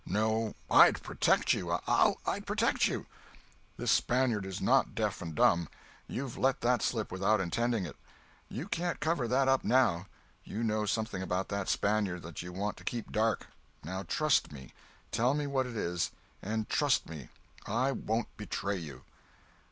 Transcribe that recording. No—I'd protect you—I'd protect you. This Spaniard is not deaf and dumb; you've let that slip without intending it; you can't cover that up now. You know something about that Spaniard that you want to keep dark. Now trust me—tell me what it is, and trust me—I won't betray you."